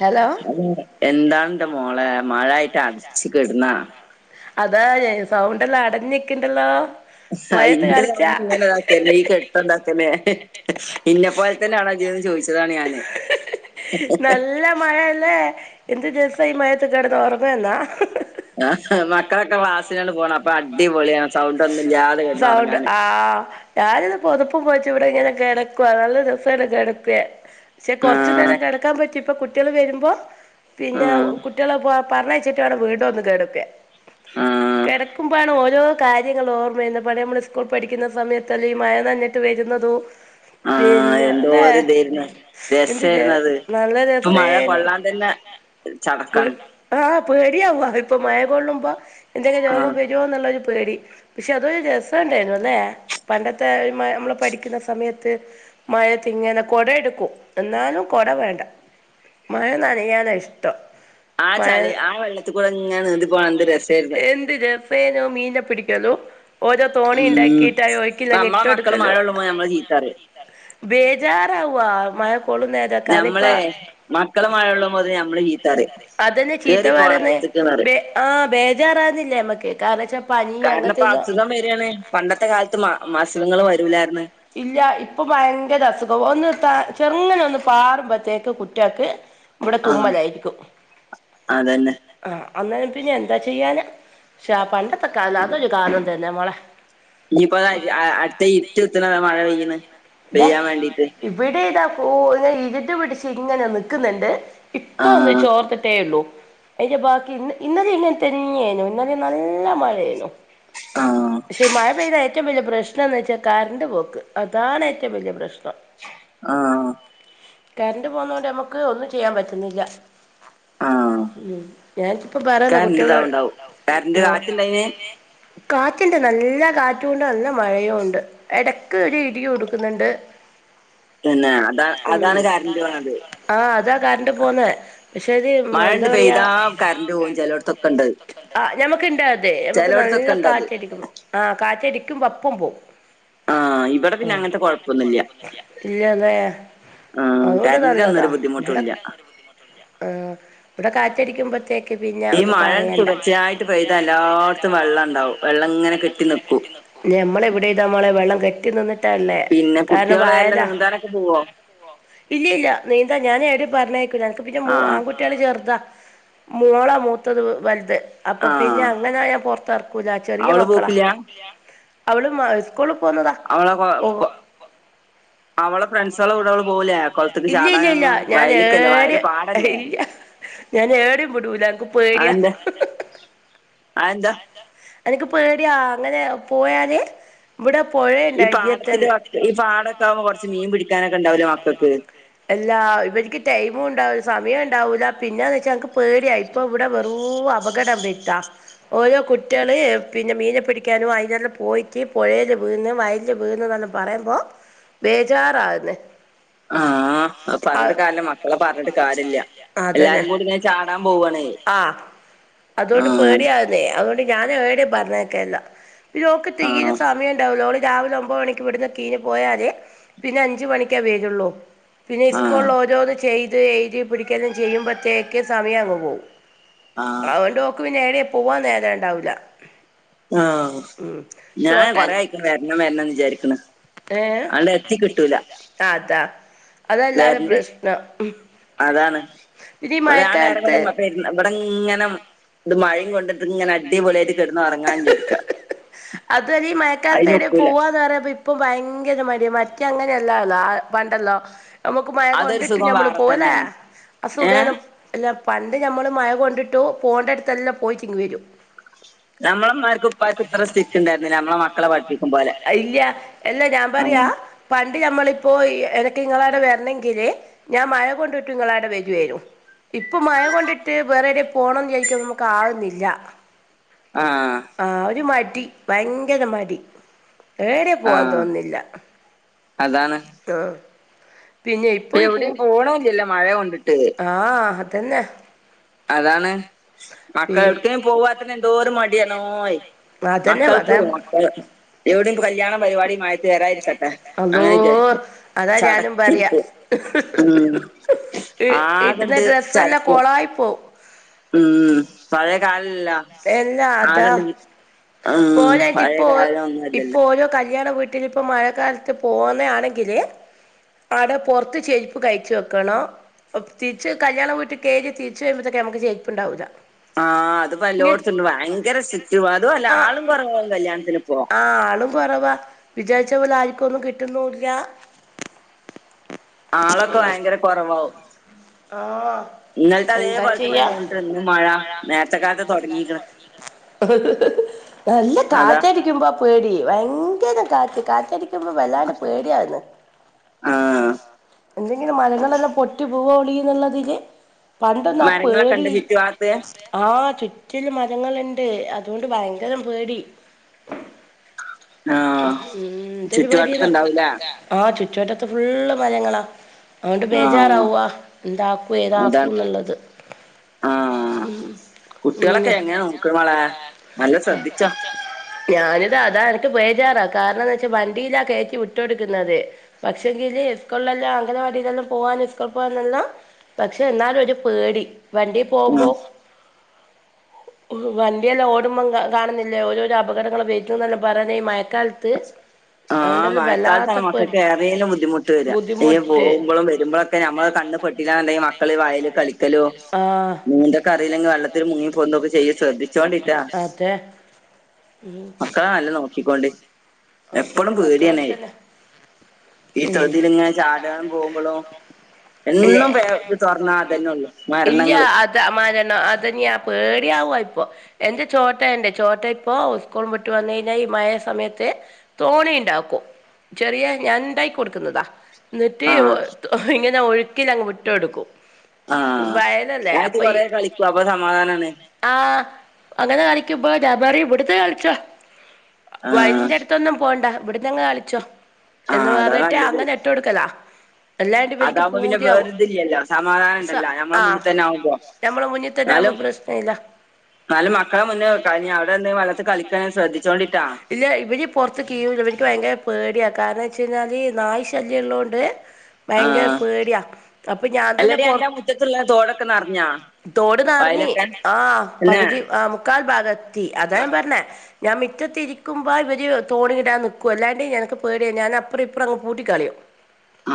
ഹെ ത് എന്താണ്ൻ്റെ മോളെ മയായിട്ട് അട്ച്ച് കെട്ന്ന? അതാ എ സൗണ്ടല്ലാ അടഞ്ഞ്ക്കിണ്ടല്ലോ. ആ ഇന്റെ സൗണ്ടിങ്ങനൊക്കെ തന്നെ. ഈ കെട്ടന്താ? ന്നെ ഇന്നെപ്പോൽ തന്നെ ആണോ ഇജ്ന്ന് ചോയിച്ചതാണ് ഞാന്. നല്ല മഴല്ലേ, എന്ത് രസാ ഈ മയത്ത് കെട്ന്ന് ഒറങ്ങുഏന്നാ. മക്കളൊക്കെ ക്ലാസ്സിനട് പോണം. അപ്പൊ അടിപൊളിയാണ് അടിപൊളിയാ സൗണ്ട് ഒന്നും ഇല്ലാതെ കിടന്ന് സൗണ്ടൊന്നുല്ലാ--സൗണ്ട് ഉറങ്ങാന് ആ ഞാനിത് പൊതപ്പും പൊ ട്ട് ഇവിടെ ഇങ്ങനെ കെടക്യാ നല്ല രസാണ് കെട്ക്യ. പക്ഷെ ആ കൊറച്ചു നേരം കടക്കാൻ പറ്റി പ്പ കുട്ടികൾ വരുമ്പോ ആ പിന്നെ കുട്ടികളെ പ പറഞ്ഞയച്ചിട്ട് വേണം വീണ്ടും ഒന്ന് കെടക്കാൻ ആ കെട്ക്കുമ്പാണ് ഓരോ കാര്യങ്ങൾ ഓർമ്മയുന്ന് പണ്ട് നമ്മള് സ്കൂൾ പഠിക്കുന്ന സ സമയത്തല്ലെ ഈ മഴ നഞ്ഞിട്ട് വരുന്നതു ആഹ പിന്നെ അല്ലേ എന്തോരിതയിരുന്നു എന്ത് ചെ രസേയിരുന്നു അത്. നല്ല ഇപ്പൊ മഴ രസേനു കൊള്ളാൻ തന്നെ പേ ചടക്കാണ്. ആഹ് പേടിയാവാ ഇപ്പൊ മഴ കൊള്ളുമ്പോ എന്തെങ്കി ആ രോഗം വരോന്ന്ള്ളൊര് പേടി പക്ഷെ അതൊരു രസൊണ്ടയ്രുന്ന് ല്ലെ? പണ്ടത്തെ ഇമ്മ നമ്മൾ പഠിക്കുന്ന സമയത്ത്. മഴത്തിങ്ങനെ കൊട എടുക്കും. എന്നാലും കൊട വേണ്ട. മഴ നനയാന ഇഷ്ടം. ആ മഴ ചളി ആ വെള്ളത്ത്ക്കൂടെങ്ങനെ നിന്തി പോകാ എന്ത് രസയ്ര്ന്ന്. പേരോ മീനെ പിടിക്കലോ? ഓരോ തോണി ഉം ഇണ്ടാക്കീട്ട്, അയ് ഇപ്പൊ ഒഴക്കില്ലെങ്കി നമ്മളെ ഇട്ട് മക്കള് കൊട്ക്കലൂ. മഴ കൊള്ളുമ്പോ നമ്മളെ ചീത്ത പറയും ബേജാറാവ്വാ മഴ പ്പളും നേരാക്കാന് പ്പ, ഞമ്മളെ നമ്മളെ മക്കള് മഴൊള്ളുമ്പോത് മഴൊള്ളുമ്പോത്തിന് ഞമ്മള് നമ്മളെ ചീത്തറിം ചീത്തപറയും അതന്നെ ചീത്ത കേറി പോടാ പറന്നെ. അകത്ത്ക്ക്ന്ന് പറിം ബേ ആഹ ബേജാറാന്നില്ലേ നമ്മക്ക്. കാരണം വെച്ചാ പനി കാരണം പ്പ അങ്ങനത്തെല്ലോ അസുഖം വരാണ്. പണ്ടത്തെ കാലത്ത് മ മസുഖങ്ങൾ വരൂലായിര്ന്ന്. ഇല്ല ഇപ്പൊ ഭയങ്കര അസുഖോ ഒന്ന്ന്ത്ത ചെറുങ്ങനൊന്ന് പാറുമ്പത്തേക്ക് കുട്ട്യാക്ക് ഇവിട ആഹ് തുമ്മലായിരിക്കും അതന്നെ [inaudible] ആഹ് അന്നേരം പിന്നെ എന്താ ചെയ്യാനാ ക്ഷാ പണ്ടത്ത കാല അതൊരു കാലം തന്നെ മോളെ [inaudible] ഇനിയിപ്പോ അടുത്ത ഇര്ട്ട് കുത്ത്ണതാ മഴ പെയ്യ്ണ് ദാ പെയ്യാൻ വേണ്ടീട്ട് ഇവിടെ ഇതാ ഓ [unintelligible] ഇരുട്ട് പിടിച്ച് ഇങ്ങനെ നിക്കുന്നുണ്ട് ഇപ്പൊ ഒന്ന് ആഹ് ചോർത്തിട്ടേ ഉള്ളൂ അയിന്റെ ബാക്കി ഇന്ന് ഇന്നലെ ഇങ്ങനെ തന്നെയാന്നു ഇന്നലെ നല്ല മഴയേനു ആഹ് ക്ഷെ മാഴ പെയ്ത ഏറ്റോം വല്യ പ്രശ് ശ്നോന്ന് വെച്ചാ കറണ്ട് പോക്ക് അതാണ് ഏറ്റോം വല്യ പ്രശ് ആഹ് കറണ്ട് പോവുന്നോണ്ട് നമക്ക് ഒന്നും ചെയ്യാൻ പറ്റുന്നില്ല ആഹ് ഉം ഞാനിക്കിപ്പ പറയന്നാ കറന്റ് കുട്ടികള് ഇതാവ്ണ്ടാവും കറന്റ് അഹ് കാറ്റ്ണ്ടായിന് കാറ്റ് ഇണ്ട് നല്ല കാറ്റും ഉണ്ട് നല്ല മഴയും ഉണ്ട് എടക്ക് ഒരു ഇടിയും ഉടുക്കുന്നുണ്ട് പിന്നെ അതാ ഉം അതാണ് കറന്റ് പോണത് ആഹ് അതാ കറണ്ട് പോന്നെ പക്ഷെ അത് മഴണ്ട് എന്താ പറയാ പെയ്താ കറന്റ് പോവും ചെലോട്ത്തൊക്കെണ്ടത് ആഹ് ഞമക്ക് ഇണ്ടാ നമുക്ക് നല്ല ചെലോട്ത്തൊക്കെണ്ടത് കാറ്റടിക്കും ആഹ് കാറ്റടിക്കുംമ്പ അപ്പം പോവും ആ ഇവിടെ പിന്നെ അങ്ങനത്തെ കുഴപ്പം ഒന്നും ഇല്ല. ഇല്ല അല്ലേ? ആഹ് അതുകൊണ്ട് കറന്റിനൊന്നും നല്ലതാ ഒരു ഇവിട ബുദ്ധിമുട്ടുല്ല ആഹ് ഇവിട കാറ്റടിക്കുമ്പത്തേക്ക് പിന്നെ ഒന്നും പറയണ്ട. മഴ പെയ്താൽ എല്ലായിടത്തും വെള്ളം ഉണ്ടാകും വെള്ളം ഇങ്ങനെ കെട്ടി നിക്കും. ഞമ്മളെവിടെ ഇതാ മോളെ വെള്ളം കെട്ടി നിന്നി റ്റല്ലേ പിന്നെ കാരണം കുട്ടികളെ എല്ലാം വയലാ നീന്താനൊക്കെ പോവോ ഇല്ലി ഇല്ല നീന്താ ഞാനെ [unintelligible] പറഞ്ഞേക്ക് ഞങ്ങക്ക് പിന്നെ മൂ ആ ആൺകുട്ടികള് ചെറുതാ മോളാ മൂത്തത് വലുത് അപ്പൊ ആ പിന്നെ അങ്ങനായ പൊറത്തിറക്കൂല ചെറിയ അവള് മക്കളാ പോക്കില്ല അവളും മ സ്കൂള് പോന്നതാ അവളെ കൊ- ഓ [unintelligible] കൊ- അവളെ ഫ്രണ്ട്സുകളെ കൂടെ അവള് പോവില്ലേ കുളത്തേക്ക് ഇല്ലി ഇല്ല ഇല്ല ചാടാനൊന്നും ഞാൻ വയലിക്കല്ലേ വയല് ഏവ്ടേം പാടല്ലേ ഇല്ല ഞാൻ ഏവ്ടേം വിടൂല എനക്ക് പേടിയാ. ഹ ഹ അത് എന്താ? എനക്ക് പേടിയാ അങ്ങനെ പോയാല് ഇവിടെ ഈ പുഴയുണ്ടായിതിയ പാടത്തിന്റെ തന്നെ ഈ പാടം ഒക്ക ആവുമ്പോ കൊറച്ച് മീൻ പിടിക്കാനൊക്കെ ഉണ്ടാവോലോ മക്കക്ക് അല്ലാ ഇവരിക്ക് ടൈം മും ഉണ്ടാവി സമയോം ഇണ്ടാവൂല്ല പിന്നെന്ന് വെച്ചാ എനക്ക് പേടിയാ ഇപ്പൊ ഇവിടെ വെറു അപകടം [unintelligible] ഓരോ കുട്ടി കുട്ട്യാള് പിന്നെ മീനെ പിടിക്കാനും അയിലെല്ലാം പോയിട്ട് പൊഴേല് വീന്ന് വയലിൽ വീന്ന് വന്ന് പറയ്മ്പോ ബേജാറാക്ന്ന് ആഹ് അത് പർഞ്ഞിട്ട് കാരില്ല്യാ മക്കളെ പർഞ്ഞിട്ട് കാരില്ല്യ എല്ലാരും കൂടി ഇങ്ങനെ ചാടാൻ പോവ്വാണേ ആഹ് അതുകൊണ്ട് പേടിയാക്ന്നേ അത് ഞാൻ ഏടേം പറഞ്ഞയക്കല്ല പിന്നെ ഓക്ക് ആ തീരെ സമയണ്ടാവൂല ഓള് രാവിലെ ഒമ്പത് മണിക്ക് ഇവിടെന്ന് കീഞ്ഞ് പോയാല് പിന്നെ അഞ്ച് മണിക്കാ വെരാെള്ളൂ പിന്നെ ആ ഇസ്കൂൾ ഓരോന്ന് ചെയ്ത് എയ്തി പിടിക്കല്ല ചെയ്യുമ്പത്തേക്ക് സമയം അങ്ങ് പോവും ആ അതോണ്ട് ഓക്ക് പിന്നെ ഏടേം പൂവാൻ നേരണ്ടാവൂല്ല ആഹ് ഞാന് കൊറേ ആയിക്ക്ണ്‌ വരണം വരണംന്ന് വിചാരിക്ക്ണ് ഏഹ് അതാ അതെല്ലാരെം വരണ്ട് പ്രശ്നം അതാണ് പിന്നെ ഈ ഇവിടെ ആ നേരം മഴക്കാലത്ത് കൊണ്ട് പെര് ബടെ ഇങ്ങനെ ഇത് മഴയും കൊണ്ടിട്ട്ങ്ങനെ അടിപൊളി ആയിട്ട് കെടന്ന് ഒറങ്ങാന്ന് വിചാരിക്കാ ഇക്കാലത്ത് എവ്ടേം പൂവാന്ന് പറയമ്പം ഇപ്പം ഭയങ്കര മടിയാ മറ്റേ അങ്ങനെ അല്ലാല്ല ആ പണ്ടല്ലോ നമുക്ക് മഴ അതൊരു കൊണ്ടിട്ട് സുഖം ഞമ്മള് വേറെ പോവല്ലേ തന്നെയാണ് ഏഹ് [unintelligible] ഇല്ല പണ്ട് ഞമ്മള് മഴ കൊണ്ടി ട്ടോ പോവേണ്ടട്ത്തെല്ലാം പോയിട്ട് ഇങ്ങ് വെരും നമ്മളമ്മാർക്കും ഉപ്പാർക്കും ഇത്ര സ്ഥിക്കുണ്ടായിരുന്നില്ല നമ്മളെ മക്കളെ പഠിപ്പിക്കും പോലെ ഇല്ല എല്ലാ ഞാൻ പ പറ്യാ ഉം. പ ണ്ട് ഞമ്മളിപ്പോ എനക്ക് ഇങ്ങളവ്ടെ വരണെങ്കില് ഞാൻ മഴ കൊണ്ടിട്ട് ഇങ്ങളവ്ടെ വര്വേനു ഇപ്പൊ മഴകൊണ്ടിട്ട് വേറെവ്ടെ പോണംന്ന് വിചാരിക്കാൻ നമുക്ക് ആവുന്നില്ല ആ ആ ഒരു മടി ഭയങ്കര മടി ഏടേം ആ പോവാൻ തോന്ന്ന്നില്ല അതാണ് ആ പിന്നെ ഇപ്പൊ ഇപ്പൊര് പൂ എവിടെയും പോണില്ലല്ലോ മഴ കൊണ്ടിട്ട് ആ അതന്നെ അതാണ് പി മക്കളെ എട്ക്കേം പോവാത്ത്ന് എന്തോരു മടിയാണോയ് അതന്നെ അതാ മക്കൾക്കും മക്കൾ എവിടെങ്കിലും കല്യാണ പരിപാടി മഴയത്ത് വരാതിരിക്കട്ടെ അള്ളോ അങ്ങനെ വിചാരിക്കും അതാ ഞാനും പറയാ ചടച്ചിരിക്കും ഉം ഇടുന്ന ആകെണ്ട് ഡ്രസ്സെല്ലാം ചടക്കും കൊളായി പോവും ഉം പഴയ കാൽല്ലല്ല എല്ലാ അതാ ഉം പോരായ്ട്ട് പഴയ ഇപ്പൊ ഓ കാലം ഒന്നും ഇപ്പ അല്ലല്ലോ ഓരോ കല്യാണ വീ ട്ടിൽപ്പോ മഴ കാലത്ത് പോവ്ന്നെ ആണെങ്കില് ആടെ പൊർത്ത് ചെരുപ്പ് കയ്ച്ച് വെക്കണോ തിരിച്ച് കല്യാണം വീട്ട് കേറി തിരിച്ച് വരമ്പത്തേക്ക് ഞമ്മക്ക് ചെര്പ്പ്ണ്ടാവൂല ആ അത് പ ല്ലോട്ത്ത്ണ്ട് ഭയങ്കര സിറ്റും അതും അല്ല ആളും കുറവാകും കല്യാണത്തിന്പ്പൊ വിജാരിച്ച പോലെ ആരിക്കൊന്നും കിട്ട്ന്നുല്ല ആളൊക്കെ ഭയങ്കര കൊറവാവും ആ ഇന്നൽത്തെ അതേ പോലെ തന്നെ തോന്ന്ട്ട ഇന്നും മഴ നേര്ത്തെ കാൽത്തെ തൊടങ്ങീക്ക്ണ് നല്ല അതാ കാറ്റടടിക്കുമ്പോ പേടി ഭയങ്കര കാറ്റ കാറ്റടിക്കുമ്പോ വല്ലാണ്ട് പേടിയാവ്ന്ന് ആഹ് എന്തെങ്കിലും മരങ്ങളെല്ലാം പൊട്ടി പോവോളിന്ന്ള്ളതില് പണ്ടൊന്നാ മരങ്ങളൊക്കെ പേടി ഉണ്ട് ചുറ്റുഭാഗത്ത് ആ ചു റ്റിലും മരങ്ങള്ണ്ട് അതോണ്ട് ഭയങ്കരം പേടി ആഹ് ഉം ചുറ്റുവട്ടത്ത് ഇതൊരുപരിതാ ഇണ്ടാവൂലേ ആ ചുറ്റുവട്ടത്ത് ഫുള്ള് മരങ്ങളാ അതോണ്ട് ആഹ് ബേജാറാവുവ എന്താക്കൂ അതാണ് ഏതാക്കൂന്ന്ള്ളത് ആ ആഹ് ഉം കുട്ടികളൊക്കെ എങ്ങനെ നോക്കണ് മോളെ നല്ല ശ്രദ്ധിച്ചോ ഞാനിത് അത ട്ട് ബേജാറാ കാരണംന്ന്ച്ചാ വണ്ടിയിലാ കയറ്റി വിട്ട് കൊട്ക്ക്ന്നത് പക്ഷെങ്കില് ഇസ്‌കൂൾളെല്ലാം അങ്ങന വാടിലെല്ലാം പോവാന് ഇസ്‌കൂൾ പോവാനെല്ലാം പക്ഷെ ന്നാലും ഒര് പേടി വണ്ടി ഉം പോവുമ്പോ വണ്ടിയെല്ലാം ഓടുമ്പോം കാണുന്നില്ലേ ഓരോരോ അപടങ്ങളൾ വെയ്റ്റുന്നെല്ലാം പറയണ ഈ മയക്കാലത്ത് ആ മഴക്കാലത്താണ് മക്കൾക്ക് ഏറേലും ബുദ്ധിമുട്ട് വരിക ഈ ബുദ്ധിമുട്ട് പോകുമ്പോഴും വരുമ്പോഴൊക്കെ നമ്മൾ ക പെട്ടീലാന്നുണ്ടേൽ മക്കള് വയലി കളിക്കലും ആഹ് നീന്തൊക്കെ അറിയില്ലെങ്കിൽ വെള്ളത്തിൽ മുങ്ങി പോവുന്നതൊക്കെ ചെയ്യും ശ്ര ശ്രദ്ധിച്ചോണ്ടിട്ടാ അതെ ഉം മക്കളെ നല്ല നോക്കിക്കൊണ്ട് എപ്പഴും അതന്നെ പേടി മക്കളെ തന്നെ ഈ തൊടീൽ ഇങ്ങനെ ചാടാൻ പോകുമ്പോളും ഉള്ളു ഇല്ല മരണങ്ങള്. അത് മഴന്നാ അതന്ന്യാ പേ ടിയവ ഇപ്പോ എന്റെ ചോട്ട ഉണ്ട് ചോട്ട ഇപ്പോ ഉസ്കൂൾ വിട്ട് വന്ന് കഴിഞ്ഞാൽ ഈ മഴയ സമയത്ത് തോണിയുണ്ടാക്കും ചെറിയ ഞാൻ ഉണ്ടാക്കി കൊടുക്കുന്നതാ എന്നിട്ട് ആഹ് ഇങ്ങ നെ ഒഴുക്കില് അങ്ങ് വിട്ട് കൊടുക്കും ആഹ് വയലല്ലേ താഴത്ത് അപ്പൊ ഈ കൊറേ കളിക്കും അപ്പൊ സമാധാനാണ്. ആ അങ്ങനെ കളിക്കുമ്പോ ഞാമ്പറയും ഇവിടുത്തെ കളിച്ചോ ആഹ് വയലിന്റെ അടു ന്നും പോണ്ട ഇവിടന്നങ്ങ് കളിച്ചോ എന്ന് ആഹ് അതാ പറഞ്ഞിട്ട് നല്ലത്. അങ്ങന ഇട്ട് കൊടുത്തത എല്ലാണ്ട് ഇവർക്ക് അതാവുമ്പോ പിന്നെ പൂതിയാവും വേറൊരിതില്ലല്ലോ സമാധാനം ഇണ്ടല്ലോ നമ്മളെ ആ മുന്നിൽ തന്നെ ആവുമ്പോ. നമ്മളെ മുന്നിൽ തന്നെ ന്നാലും ആവുമ്പ പ്രശ്നം ഇല്ല എന്നാലും മക്കളെ മുന്നേ അവിടെ കളിക്കാൻ ശ്രദ്ധിച്ചോണ്ട് ട്ടാ ഇല്ല ഇവര് പൊ പുറത്ത് കീയൂല്ല ഇവർക്ക് ഭയങ്കര പേടിയാണ് കാരണം വെച്ച് കഴിഞ്ഞാൽ നായ് ശല്യം ഉള്ളോണ്ട് ആ ഭയങ്കര പേടിയാ അപ്പൊ ഞാൻ തന്നെ അല്ലടി എന്റെ പൊറത്ത മുറ്റത്തുള്ള തോടൊക്കെ നിറഞ്ഞാ തോട് നിറഞ്ഞ് വയലൊക്കെ ആ പിന്നെ പകുതി ആ മുക്കാൽ ഭാഗം എത്തി അതാ ഞാൻ പറഞ്ഞെ ഞാൻ മിറ്റത്തിരിക്കുമ്പോൾ ഇവര് തോണി ഇടാൻ നിക്കു അല്ലാതെയും എനിക്ക്പേടിയാ ഞാൻ അപ്പറം ഇപ്പറം പൂട്ടിക്കറിയും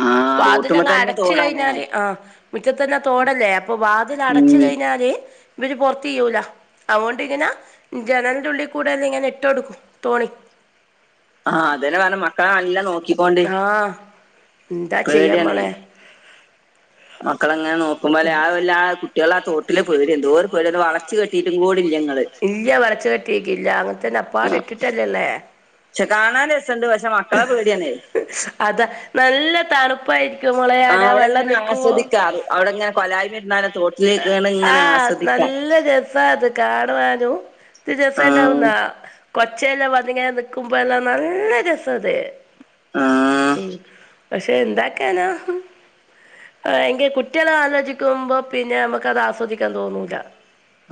ആ റൂട്ടുമ്പോ വാതിലങ്ങ് തന്നെ അടച്ച് തോടാണ് കഴിഞ്ഞാല് ആ മുറ്റത്തന്നെ തോടല്ലേ അപ്പൊ വാതിൽ ഉം അടച്ച കഴിഞ്ഞാല് ഇ പുറത്ത് ചെയ്യൂല അതുകൊണ്ട് ഇങ്ങനെ ജനലിൻ്റെ ഉള്ളിൽ കൂടെയന്ന് ഇങ്ങനെ ഇട്ട് കൊടുക്കും തോണി ആ അതന്നെ പറഞ്ഞ മക്കളെ നല്ല നോക്കിക്കോണ്ട് ആ എന്താ ചെയ്യാൻ മോളേ മക്കള അങ്ങനെ നോക്കുമ്പോല ആ എല്ലാ ആ കുട്ടികള ആ തോട്ടിലെ പേടിയാ എന്തോര് പേടിയാ വളച്ചച്ച് കെട്ടിയിട്ടും കൂടി ഇല്ലങ്ങ ഇല്ല വരച്ച കെട്ടിക്ക ഇല്ല അങ്ങനത്ത തന്നെ അപ്പാട് ഇട്ടിട്ടല്ലല്ലേ പക്ഷെ കാണാൻ രസമുണ്ട് പക്ഷെ മക്കളെ പേടിയാണ് അതാ നല്ല തണുപ്പായിരിക്കും മോളെ ആ ആടെ അവിടെ വെള്ളം ഇങ്ങനെ നിക്കുവോ ആസ്വദിക്കാറ് അവിടെങ്ങനെ കൊലായ്മരുന്നാല തോട്ടിലേക്ക് ഇങ്ങനെ ആഹ് ആസ്വദിക്കാറ് നല്ല രസാ അത് കാണാനും രസ ആ ഉണ്ടാവുന്ന കൊച്ചല്ല വന്നിങ്ങ ക്കുമ്പോല്ലാം നല്ല രസഅത് ആ പക്ഷെ എന്താക്കാനാ ആ എങ്ക കുട്ടികളെ ആലോചിക്കുമ്പോ പിന്നെ നമുക്കത് ആസ്വദിക്കാൻ തോന്നൂല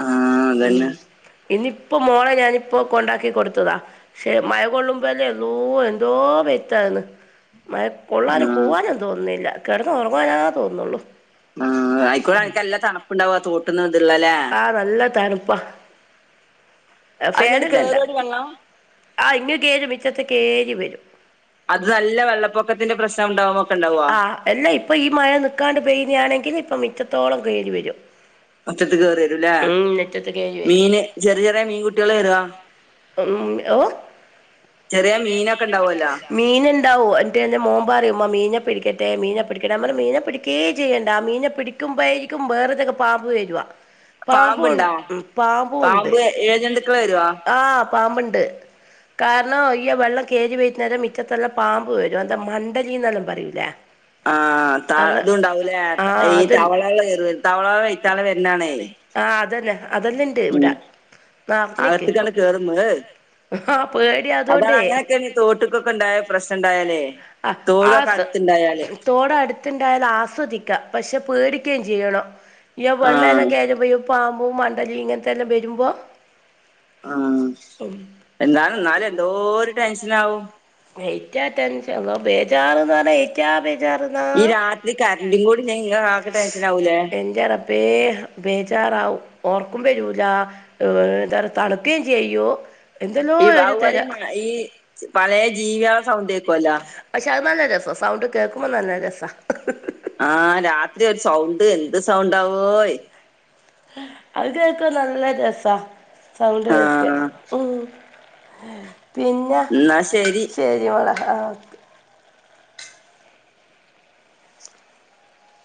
ആ അത്‌ തന്നെ ഇന്ന് ഇപ്പോ മോളെ ഞാനിപ്പോ കൊണ്ടാക്കി കൊടുത്തതാ ശേ മയ കൊള്ളുമ്പഴേ എന്തോ എന്തോ പെയ്ത്താണ് മയ കൊള്ളാനും ആഹ് പോകാനും തോന്നുന്നില്ല കിടന്ന്ഉറങ്ങാനാ തോന്നുള്ളു ആ ആയിക്കോടെ അനക്ക് നല്ല തണുപ്പുണ്ടാവാ തോട്ടീന്ന് ഇതള്ളല്ലേ ആ ഫാൻ ഇടണ്ട കേറോടി വെള്ളം ആ ഇങ് കയറി മിറ്റത്ത് കയറി വരും അത് നല്ല വെള്ളപ്പൊക്കത്തിന്റെ പ്രശ്നം ഉണ്ടാവുമ്പോക്കെ ഉണ്ടാവോ ആ അല്ല ഇപ്പൊ ഈ മഴ നക്കാണ്ട് പെയ്യുന്നാണെങ്കിൽ ഇപ്പ എറ്റത്തോളം കയറി വരും മുറ്റത്ത് കേറി വരുംല്ലേ ഉം മിറ്റത്ത് കയറി വരും മീന് ചെറിയ ചെറിയ മീൻകുട്ടികള് വരോ ഉം ഓ ചെറിയ മീനൊക്കെ ഉണ്ടാവല്ലോ മീൻ ഉണ്ടാവോ എ എന്റെ മോൻ പറയും മീനേ പിടി ട്ടെ മീനെ പിടിക്കട്ടെ നമ്മള് മീനെ പിടിക്കേ ചെയ്യണ്ട ആ മീനെ പിടിക്കുമ്പോഴായിരിക്കും വേറതൊക്കെ പാമ്പ് വരുവ പാമ്പും പാമ്പ്ണ്ടോ പാമ്പുണ്ട് പാമ്പ് ഇഴജന്തുക്കള് വരോ അ പാമ്പുണ്ട് കാരണം അയ്യ വെള്ളം കയറി വരുന്നേരം മുറ്റത്തെല്ലാം പാമ്പ് വരും എന്താ മണ്ടലിയെന്ന് പറയൂലെ ആ ആ ത ഇത്ണ്ടാവൂലേ ആഹ് ഈ അതുണ്ടാവൂലേ തവളകൾ കേറിവെരും തവളകൾ വെരുന്നാണേ അതെല്ലെണ്ട് ഇവിടെ നഞ്ഞക്ക് ഇപ്പം ഗർമ ഹ [unintelligible] ആഹ് പേടിയാ അതാണ് അതോണ്ടേ അങ്ങനെയൊക്കെ തോട്ടക്കൊക്കെ ഉണ്ടായ പ്രശ്ന ഉണ്ടായാലേ ആഹ് തോടുക്കൊ അടുത്തുണ്ടായാല് ത്തിണ്ടായാൽ ആസ്വദിക്കുക പക്ഷെ പേടിക്കുകയും ചെയ്യണം ഈ ആഹ് വെള്ളേനൊക്കെ കയറുമ്പോൾ പാമ്പും മണ്ടലി ഇങ്ങനത്തെ എല്ലാം വരുമ്പോൾ ഉം എന്താല എന്നാലും എന്തോരം ടെൻഷൻ ആവും ഏറ്റ ടെൻഷൻ ബേജാറന്ന് പറ ഏറ്റാ ബേജാ ബേജാറാന്നാ ഈ രാത്രി കറന്റും കൂടി ഇല്ലെങ്കി ഇങ്ങക്ക് ആകെ ടെൻഷനാവൂലേ എന്റെ റബ്ബേ ബേജാ ഇതാവും ഉറക്കം വരൂല എന്ത തണുക്കുകയും ചെയ്യും ഈ ബാവുവാല ഈ പഴയ ജീവികള സൗണ്ട്ക്കെക്കുല്ല പക്ഷെ അത് നല്ല രസം സൗണ്ട് കേൾക്കുമ്പോ നല്ല രസാ ആ രാത്രി ഒരു സൗണ്ട് എന്ത് സൗണ്ട് ആവോ അത് കേൾക്ക നല്ല രസാ സൗണ്ട് ആ കേൾക്ക ഉം പിന്നെ എന്നാ ശരി ശെരി മോളേ ആ